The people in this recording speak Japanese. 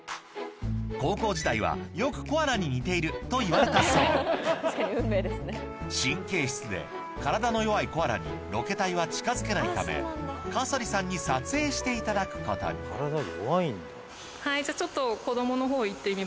高校時代はよくコアラに似ていると言われたそう神経質で体の弱いコアラにロケ隊は近づけないため賀曽利さんに撮影していただくことにはいじゃあちょっと。